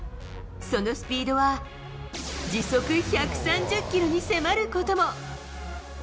そのスピードは時速１３０キロに迫ることも。